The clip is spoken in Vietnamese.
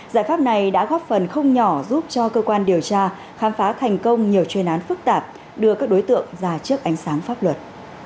giải pháp này đã góp phần không nhỏ giúp cho cơ quan điều tra khám phá thành công nhiều chuyên án phức tạp đưa các đối tượng ra trước ánh sáng pháp luật